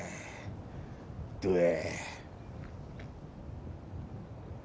どや。